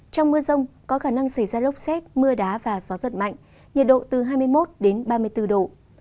trong mưa rông có khả năng xảy ra lốc xét mưa đá và gió giật mạnh nhiệt độ từ hai mươi một ba mươi bốn độ